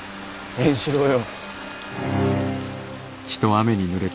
円四郎よ。